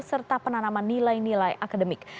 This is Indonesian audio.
serta penanaman nilai nilai akademik